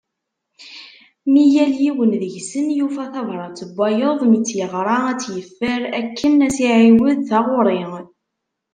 Mi yal yiwen deg-sen yufa tbarat n wayeḍ, mi tt-yeɣra a tt-yeffer, akken ad as-iɛiwed taɣuri.